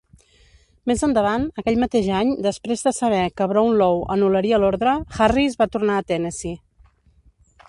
Més endavant, aquell mateix any, després de saber que Brownlow anul·laria l'ordre, Harris va tornar a Tennessee.